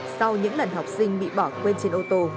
sau những lần học sinh bị bỏ quên trên ô tô